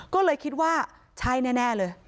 ก็เลยคิดว่าใช่แน่เลย